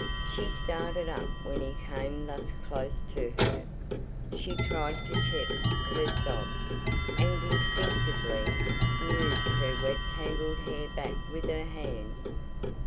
She started up when he came thus close to her; she tried to check her sobs, and instinctively smoothed her wet tangled hair back with her hands.